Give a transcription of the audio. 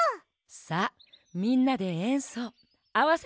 さあみんなでえんそうあわせてみようか？